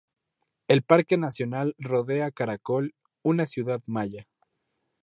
El parque nacional rodea Caracol, una ciudad maya.